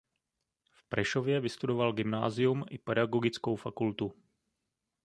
V Prešově vystudoval gymnázium i pedagogickou fakultu.